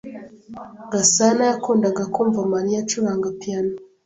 Gasanayakundaga kumva Mariya acuranga piyano.